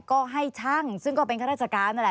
ก็ให้ช่างซึ่งก็เป็นข้าราชการนั่นแหละ